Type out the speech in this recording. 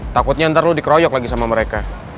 takutnya ntar lu dikeroyok lagi sama mereka